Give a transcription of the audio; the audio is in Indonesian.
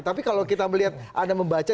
tapi kalau kita melihat anda membaca